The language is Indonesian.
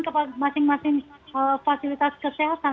ke masing masing fasilitas kesehatan